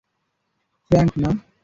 Frank, না!